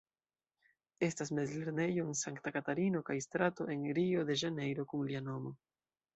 Estas mezlernejo en Sankta Katarino kaj strato en Rio-de-Ĵanejro kun lia nomo.